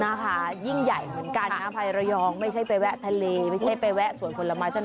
นะคะยิ่งใหญ่เหมือนกันนะภัยระยองไม่ใช่ไปแวะทะเลไม่ใช่ไปแวะสวนผลไม้เท่านั้น